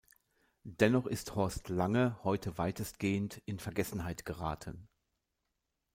Dennoch ist Horst Lange heute weitestgehend in Vergessenheit geraten.